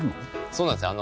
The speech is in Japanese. そうなんですよ。